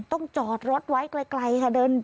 ต้องจอดรถไว้ไกลค่ะ